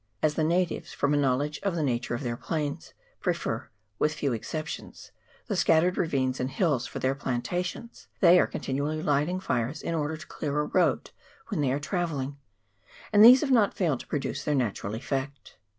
As the natives, from a know ledge of the nature of their plains, prefer, with few exceptions, the scattered ravines and hills for their plantations, they are continually lighting fires in order to clear a road when they are travelling, and these have not failed to produce their natural effect.